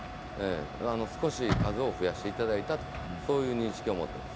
少し数を増やしていただいたという認識を持っています。